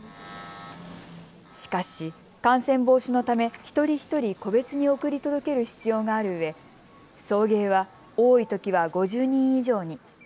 しかし、感染防止のため一人一人個別に送り届ける必要があるうえ送迎は多いときは５０人以上に。